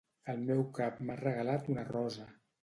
El meu cap m'ha regalat una rosa